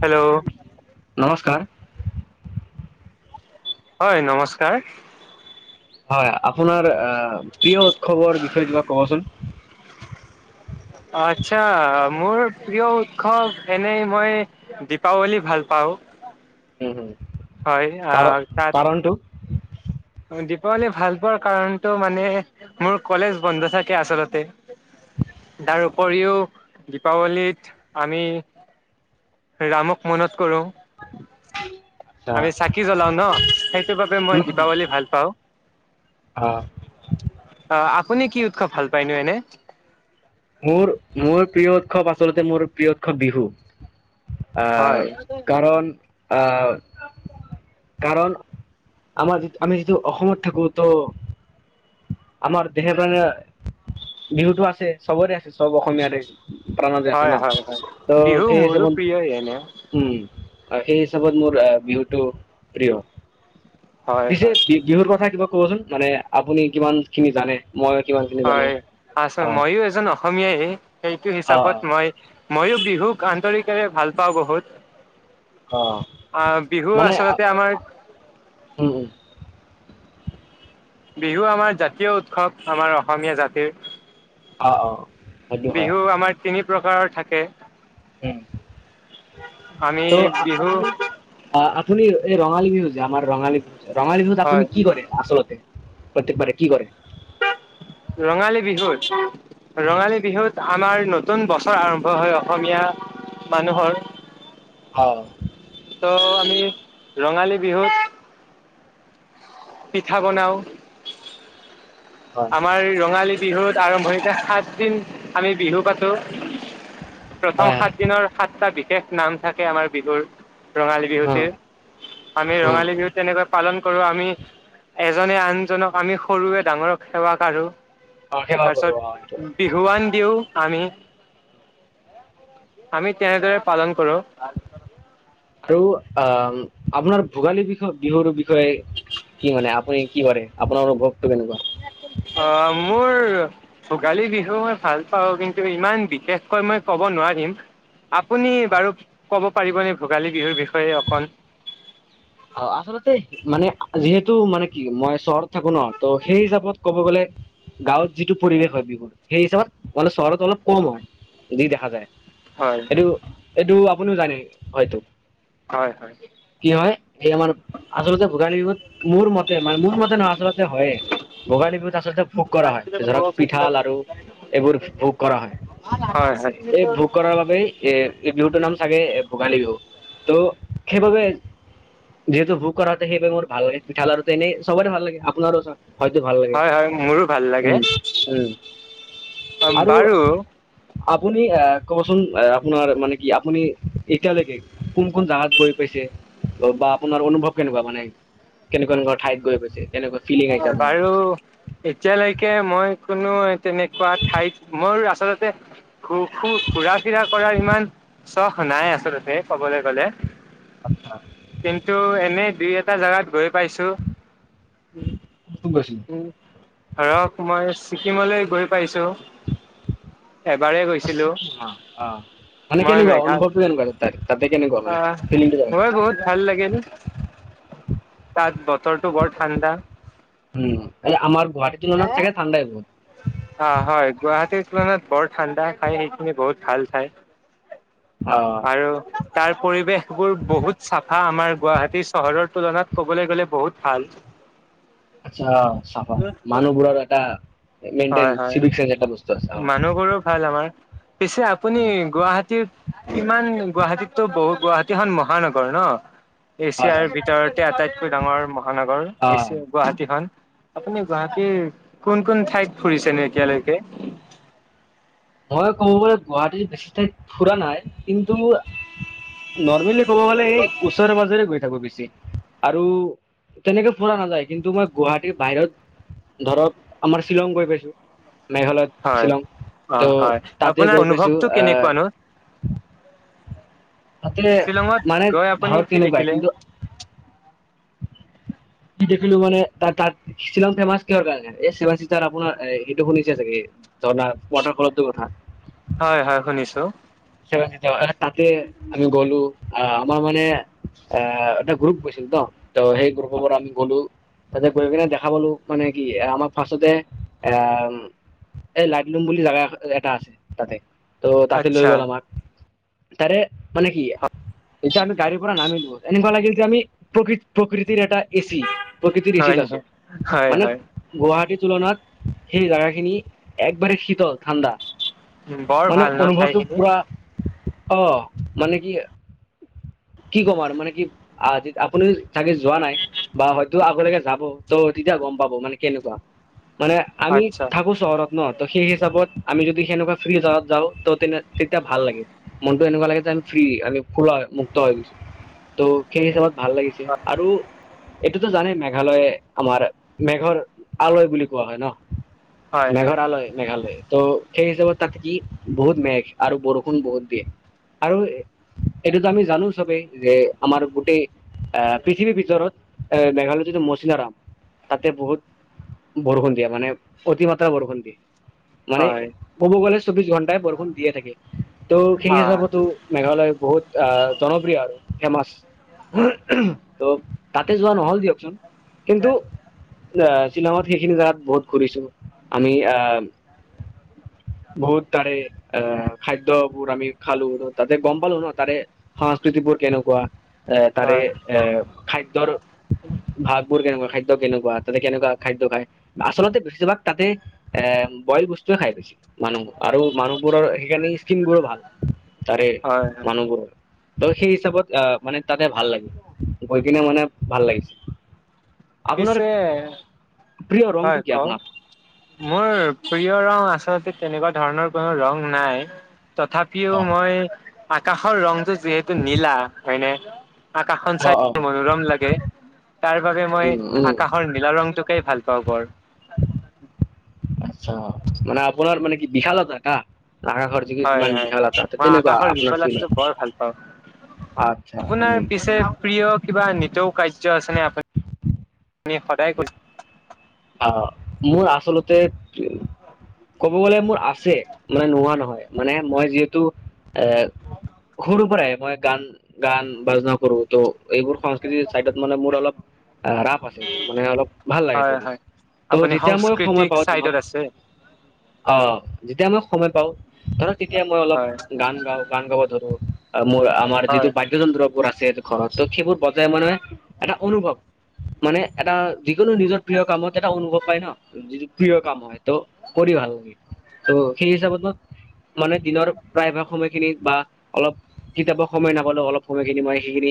Hello নমস্কাৰ। হয় নমস্কাৰ। হয় আপোনাৰ প্ৰিয় উৎসৱৰ বিষয়ে কিবা ক'বচোন? আচ্ছা মোৰ প্ৰিয় উৎসৱ এনেই মই দীপাৱলী ভাল পাওঁ। হয় কাৰণ আহ তাত [unintelligible] দীপাৱলী ভাল পোৱাৰ কাৰণতটো মানে মোৰ কলেজ বন্ধ থাকে আচলতে। তাৰ উপৰিও দীপাৱলীত আমি ৰামক মনত কৰোঁ। আচ্ছা আমি চাকি জ্বলাও ন সেইটো বাবে মই দিপাবলি ভাল পাওঁ। অ। আপুনি কি উৎস ভাল পায়নো এনে? মোৰ মোৰ প্ৰিয় উৎসৱ আচলতে মোৰ প্ৰিয় উৎসৱ বিহু। আ হয় কাৰণ আ কাৰণ আমাৰ যি আমি যিটো অসমত থাকো ত আমাৰ দেহে প্ৰাণে বিহুতটো আছে। সবৰে। চব অসমীয়াৰে প্ৰাণ যে আছে ন হয় হয় হয় বিহু মোৰো প্ৰিয়ই এনে [unintelligible] উম। অ সেই হিচাপত মোৰ আহ বিহুতটো প্ৰিয়। হয় পিছে হয় বি বিহুৰ কথা কিবা কবচোন মানে আপুনি কিমান খিনি জানে? মই কিমান খিনি জানো হয় আছো অ মইও এজন অ অসমিয়াই। সেইটো অ হিচাপত মই মইও বিহুক আন্তৰিকেৰে ভাল পাওঁ অ অ বহুত। আহ বিহু মানে আ- আচলতে আমাৰ উম উম বিহু আমাৰ জাতীয় উৎসৱ, আমাৰ অসমীয়া জাতিৰ। অ অ। সেইটো হয় বিহু আমাৰ তিনি প্ৰকাৰৰ থাকে। উম আমি ত' বিহু আপুনি আহ আপুনি এই ৰঙালী বিহু যে আমাৰ ৰঙালী ৰঙালী বিহুত হয় আপুনি কি কৰে আচলতে? প্ৰত্যেকবাৰে কি কৰে? ৰঙালী বিহুত? উম, ৰঙালী বিহুত আমাৰ নতুন বছৰ আৰম্ভ হয় অসমীয়া মানুহৰ। অ। ত' আমি ৰঙালী বিহুত পিঠা বনাওঁ। হয় আমাৰ ৰঙালী বিহুত আৰম্ভনিতে সাতদিন আমি বিহু পাতো প্ৰথম হয় হয় সাত দিনৰ সাতটা বিধ বিশেষ নাম থাকে আমাৰ বিহুৰ ৰঙালী বিহুটিৰ আমি অ ৰঙালী বিহু তেনেকুৱা পালন কৰোঁ আমি এজনে আনজনক আমি সৰুৱে ডাঙৰক সেৱা কাৰো অ সেৱা তাৰ কৰো অ সেইটো পিছত বিহুৱান দিওঁ আমি আমি তেনেদৰে পালন কৰোঁ আৰু আহ আপোনাৰ ভোগালী বিষ বিহুৰ বিষয়ে কি মানে আপুনি কি কৰে আপোনাৰ অনুভৱটো কেনেকুৱা অ মোৰ ভোগালী বিহু মই ভাল পাওঁ কিন্তু ইমান বিশেষকৈ মই ক'ব নোৱাৰিম আপুনি বাৰু ক'ব পাৰিবনে ভোগালী বিহুৰ বিষয়ে অকণ অ আচলতে মানে যিহেতু মানে কি মই চহৰত থাকো ন ত সেই হিচাপত ক'ব গলে গাঁৱত যিটো পৰিৱেশ হয় বিহু সেই হিচাপত মানে চহৰত অলপ কম হয় যি দেখা যায় হয় এইটো এইটো আপুনিও জানে হয়তো হয় হয় কি হয় এই আমাৰ আচলতে ভোগালী বিহুত মোৰ মতে মতে মোৰ মতে নহয় আচলতে হয়য়ে ভোগালী বিহুত আচলতে ভোগ কৰা হয় ধৰক পিঠা, লাৰু এইবোৰ ভোগ কৰা হয় হয় হয় এই ভোগ কৰাৰ বাবেই এ এই বিহুটোৰ নাম চাগে ভোগালী বিহু তো সেইবাবে যিহেতু ভোগ কৰা সেইবাবে মোৰ ভাল লাগে পিঠা লাৰুটো এনেই চবতে ভাল লাগে আপোনাৰো হয়তো ভাল লাগে হয় হয় মোৰো ভাল লাগে উম উম অ আৰু বাৰু আপুনি এ কবচোন আপোনাৰ মানে কি আপুনি এতিয়ালৈকে কোন কোন জাগাত গৈ পাইছে বা আপোনাৰ অনুভৱ কেনেকুৱা মানে কেনেকুৱা কেনেকুৱা ঠাইত গৈ পাইছে কেনেকুৱা ফিলিং আহিছে আপোনাৰ বাৰু এতিয়ালৈকে মই কোনো তেনেকুৱা ঠাইত মোৰ আচলতে ঘু ঘু ঘুৰা ফিৰা কৰাৰ ইমান চখ নাই আচলতে কবলে গ'লে আচ্ছা কিন্তু এনেই দুই এটা জাগাত গৈ পাইছোঁ [unintelligible] গৈছিলি ধৰক মই ছিকিমলৈ গৈ পাইছোঁ টো এবাৰে অ গৈছিলো ছিকিম অ অ মানে মই কেনেকুৱা মেঘাল অনুভৱটো কেনেকুৱা তাত তাতে কেনেকুৱা মানে আহ ফিলিংটো কেনেকুৱা গৈ বহুত ভাল লাগিল তাত বতৰটো বৰ ঠাণ্ডা উম এ আমাৰ গুৱাহাটীটো মানত চাগে ঠাণ্ডাই হ'ব অ হয় গুৱাহাটীৰ তুলনাত বৰ ঠাণ্ডা ঠাই সেইখিনি বহুত ভাল ঠাই। অ আৰু তাৰ পৰিৱেশ বোৰ বহুত চাফা আমাৰ গুৱাহাটী চহৰত তুলনাত ক'বলৈ গ'লে বহুত ভাল। আচ্ছা চাফা মানুহবোৰৰ এটা মেইন্টেইন চিভিক চেঞ্চ এটা বস্তু আছে অ মানুহ বোৰোও ভাল আমাৰ। [unintelligible] পিছে আপুনি উম, গুৱাহাটীৰ কিমান গুৱাহাটীততো বহুত গুৱাহাটীখন মহানগৰ ন হয় হয় এছিয়াৰ ভিতৰতে আটাইত- কৈ ডাঙৰ মহা- নগড় অ এছিয়া গুৱাহাটীখন আপুনি গুৱাহাটীৰ কোন কোন ঠাইত ফুৰিছে নে এতিয়ালৈকে? [unintelligible] মই ক'ব গলে গুৱাহাটীত বেছি ঠাইত ফুৰা নাই কিন্তু নৰ্মেলি ক'ব গলে এই ওচৰে পাজৰে গৈ থাকো বেছি আৰু তেনেকে ফুৰা নাযায় কিন্তু মই গুৱাহাটীৰ বাহিৰত ধৰক আমাৰ শ্বিলং গৈ পাইছো মেঘালয়ত হয় শ্বিলং অ হয় তাতে আপোনাৰ গৈ পাইছো অনুভৱটো আহ কেনেকুৱানো তাতে শ্বিলঙত মানে গৈ আপুনি ধৰক কি তেনেকুৱাই দেখিলে কিন্তু কি দেখিলো মানে তাত তাত শ্বিলং ফেমাচ কিহৰ কাৰণে এ চেভেন চিষ্টাৰ আপোনাৰ এইটো শুনিছে চাগে ঝৰ্ণা ওৱাটাৰ ফলটোৰ কথা। হয় হয় শুনিছো চেভেন চিষ্টাৰ এ তাতে আমি গলো আহ আমাৰ মানে এ এটা গ্ৰুপ গৈছিলো ন ত সেই গ্ৰুপৰ পৰা আমি গলো তাতে গৈ কিনে দেখা পালো মানে কি আমাৰ ফাৰ্ষ্টতে এ এই লাইটলুম বুলি জেগা এখন এটা আছে তাতে ত' তাতে লৈ গ'ল আচ্ছা আও তাৰে মানে কি এতিয়া আমি গাড়ীৰ পৰা নামিলো এনেকুৱা লাগিল যে আমি প্ৰকৃত প্ৰকৃতিৰ এটা এ চি প্ৰকৃতিৰ হয় এচিত আছো নেকি? হয় মানে হয় গুৱাহাটীত তুলনাত সেই জাগাখিনি একবাৰেই শীতল ঠাণ্ডা উ বৰ মানে ভাল ন অনুভৱটো ঠাইখিনি পুৰা অ মানে কি কি ক'ম আৰু মানে কি আপুনি চাগে যোৱা নাই বা হয়তো আগলৈকে যাব ত' তেতিয়া গম পাব মানে কেনেকুৱা। মানে আমি আচ্ছা থাকো চহৰত ন ত সেই হিচাপত আমি যদি সেনেকুৱা ফ্ৰী জাগাত যাওঁ ত তেনে তে- তিয়া ভাল লাগে মনতটো এনেকুৱা লাগে যে আমি ফ্ৰী আমি খোলা মুক্ত হৈ গৈছো ত' সেই হিচাপত ভাল লাগিছে আৰু এইটোতো জানে মেঘালয়ে আমাৰ মেঘৰ আলয় বুলি কোৱা হয় ন হয় হয় মেঘৰ আলয় মেঘালয় তো সেই হিচাপত তাত কি বহুত মেঘ আৰু বৰষুণ বহুত দিয়ে আৰু এইটোতো আমি জানো চবেই যে আমাৰ গোটেই আহ পৃথিৱীৰ ভিতৰত এ মেঘালয়ত যিটো মৌচিনৰাম তাতে বহুত বৰষুণ দিয়ে মানে অতিমাত্ৰা বৰষুণ দিয়ে মানে হয় ক'ব গ'লে চৌবিছ ঘণ্টাই বৰষুণ দিয়ে থাকে ত' সেই অ হিচাপতো মেঘালয় বহুত আহ জনপ্ৰিয় আৰু ফেমাচ ত' তাতে যোৱা নহ'ল দিয়কচোন কিন্তু শ্বিলঙত সেইখিনি জেগাত বহুত ঘূৰিছো আমি আহ বহুত তাৰে আহ খাদ্যবোৰ আমি খালো তাতে গম পালো ন তাৰে সংস্কৃতিবোৰ কেনেকোৱা এ তাৰে হয় এ খাদ্য খাদ্যৰ ভাগবোৰ কেনেকোৱা খাদ্য কেনেকোৱা তাতে কেনেকোৱা খাদ্য খায় আচলতে বেছিভাগ তাতে এ বইল বস্তুৱে খায় বেছি মানুহ আৰু মানুহবোৰৰ সেইখিনি স্কিনবোৰো ভাল তাৰে হয় হয় মানুহবোৰ ত সেই হিচাপত আহ মানে তাতে ভাল লাগে গৈ কিনে মানে ভাল লাগিছে আপোনাৰ পিছে প্ৰিয় ৰংটো হয় কি কওক আপোনাৰ মোৰ প্ৰিয় ৰং আচলতে তেনেকোৱা ধৰণৰ কোনো ৰং নাই তথাপিও মই আকাশৰ ৰংটো যিহেতু নীলা হয়নে আকাশখন অ চাই অ মনোৰম লাগে তাৰ বাবে মই উম উম আকাশৰ নীলা ৰংটোকেই ভাল অ বৰ আচ্ছা মানে আপোনাৰ মানে কি বিশালতা কা হয় হয় মই আকাশৰ আপোনাৰ ফিল বিশালতাটো হয় বৰ ভাল পাওঁ আচ্ছা আপোনাৰ উম পিছে প্ৰিয় কিবা নিতৌ কাৰ্য আছে নে আপুনি আপুনি সদায় কৈছে আহ মোৰ আচলতে কব গলে মোৰ আছে মানে নোহোৱা নহয় মানে মই যিহেতু এ সৰুৰ পৰাই মই গান গান বাজনা কৰো ত' এইবোৰ সংস্কৃতিৰ চাইডত মানে মোৰ অলপ ৰাপ আছে মানে অলপ ভাল লাগে হয় কৰি হয় ত' আপুনি যেতিয়া মই সময় সংস্কৃতিক পাওঁ চাইডত দিনত আছে অ অ যেতিয়া মই সময় পাওঁ ধৰক তেতিয়া মই অলপ হয় গান গাওঁ গান গাব ধৰো অ মোৰ আমাৰ যিটো হয় বাদ্য যন্ত্ৰবোৰ আছে ঘৰত ত' সেইবোৰ বজাই মানে এটা অনুভৱ মানে এটা যিকোনো নিজৰ প্ৰিয় কামত এটা অনুভৱ পাই ন যিটো প্ৰিয় কাম হয় ত' কৰি ভাল লাগে ত' সেই হিচাপত মই মানে দিনৰ প্ৰায়ভাগ সময়খিনি বা অলপ কেতিয়াবা সময় নাপালেও অলপ সময়খিনি মই সেইখিনি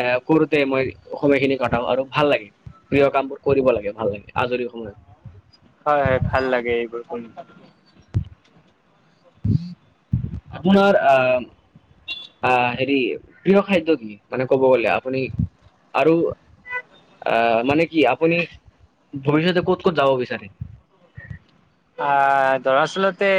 এ - কৰোতে মই সময়খিনি কটাও আৰু ভাল লাগে প্ৰিয় কাম বোৰ কৰিব লাগে ভাল লাগে। আজৰি সময়ত। হয় হয়, ভাল লাগে এইবোৰ কৰি। আপোনাৰ আ - আ - হেৰি প্ৰিয় খাদ্য কি মানে ক'ব গলে আপুনি আৰু আ‌- মানে কি আপুনি ভৱিষ্যতে ক'ত ক'ত যাব বিচাৰে? আ দৰাচলতে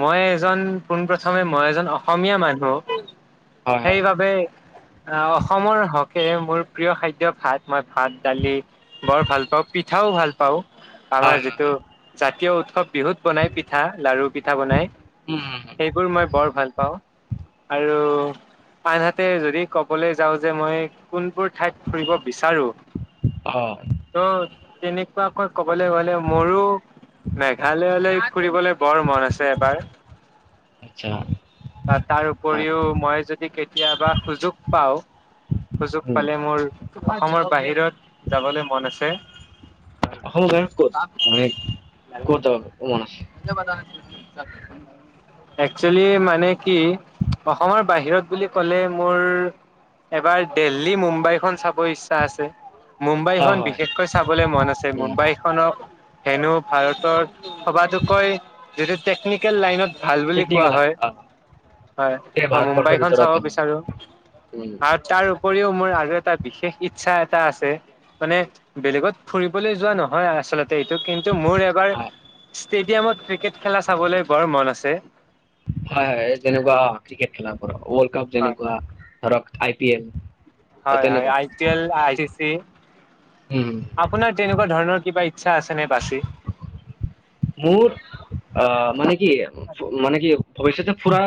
মই এজন পোন প্ৰথমে মই এজন অসমীয়া মানুহ হয় হয় সেইবাবে অ অসমৰ হকেৰে মোৰ প্ৰিয় খাদ্য ভাত, মই ভাত দালি বৰ ভাল পাওঁ, পিঠাও ভাল পাওঁ। আমাৰ হয় হয় যিটো হয় প্ৰিয় উৎসৱ বিহুত বনাই পিঠা, লাৰু পিঠা বনাই উম হম হম সেইবোৰ মই বৰ ভাল পাওঁ। আৰু আনহাতে যদি ক'বলে যাও যে মই কোনবোৰ ঠাইত ফুৰিব বিচাৰো অ ত' তেনেকুৱাকৈ কবলৈ গলে মোৰো মেঘালয়লৈ আচ্ছা তা - তাৰ হয় উপৰিও মই যদি কেতিয়াবা সুযোগ পাওঁ, সুযোগ উম পালে মোৰ অসমৰ বাহিৰত যাবলে মন আছে। অসমৰ বাহিৰত ক'ত? মানে ক'ত যাব মন আছে [unintelligible] একচলী মানে কি অসমৰ বাহিৰত বুলি ক'লে মোৰ এবাৰ দেল্হি মুম্বাইখন চা ব ইচ্ছা আছে, হয় মুম্বাইখন হয় বিশেষকৈ চাবলৈ মন আছে। উম মুম্বাই খনক হেনো ভাৰতৰ সবাতোকৈ যদি টেকনিকেল লাইনত ভাল বুলি ঠিক ঠিক কোৱা ক'লা হয়। অ হয়। গোটেই মই ভাৰতবৰ্ষৰ মুম্বাইখন চাব ভিতৰতে হয় বিচাৰো উম আৰু তাৰ কৰিও মোৰ আৰু এটা বিশেষ ইচ্ছা এটা আছে মানে বেলেগত ফুৰিবলৈ যোৱা নহয় আচলতে এইটোত টো মোৰ এবাৰ হয় ষ্টেডিয়ামত ক্ৰিকেট খেলা চাবলৈ বৰ মন আছে। হয় হয়, যেনেকুৱা ক্ৰিকেট খেলা [unintelligible] ৱৰ্ল্ড কাপ হয় হয় যেনেকুৱা ধৰক আই পি এল। হয় হয়, তেনেকুৱা I P L, I C C. উম আপোনাৰ তেনেকুৱা ধৰণৰ কিবা ইচ্ছা আছে নে বাচি মোৰ অ' মানে কি - মানে কি ভৱিষ্যতে ফুৰা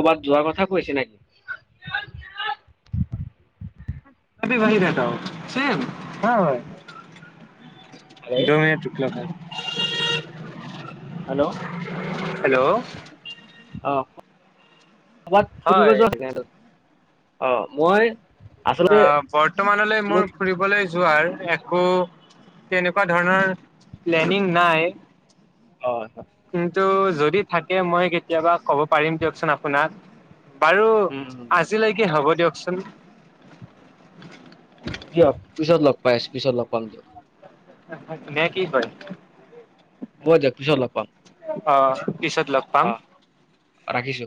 ক'বাত‌ যোৱা কথা কৈছে নেকি? [unintelligible] [unintelligible] ছেম কৰা হয়। হেল্ল' [unintelligible] [inaudible] হেল্ল', অ। কবাত ফুৰিব হয় যোৱা [unintelligible] অ, মই। অ আচলতে বৰ্তমানলৈ মোক মোৰ ফুৰিবলৈ। যোৱাৰ একো তেনেকুৱা ধৰণৰ প্লেনিং নাই। অ অ আচ্ছা। এটো যদি থাকে, মই কেতিয়াবা ক'ব পাৰিম দিয়কচোন আপোনাক। বাৰু উম আজিলৈকে হ'ব দিয়ক। [unintelligible] দিয়ক পিছত লগ পাইচো, পিছত লগ পাম দিয়ক [unintelligible] কি কয় উহ, মই দেখিছোঁ অলপ মান। অ। পিছত লগ পাম। ৰাখিছো।